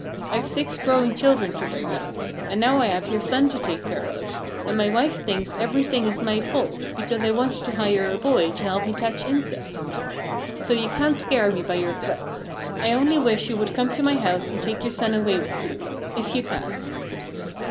I've six growing children to bring up; and now I have your son to take care of; and my wife thinks everything is my fault, because I wanted to hire a boy to help me catch insects. "So you can't scare me by your threats. I only wish you would come to my house and take your son away with you if you can."